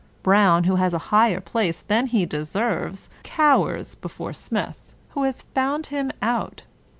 Brown, who has a higher place than he deserves, cowers before Smith, who has found him out.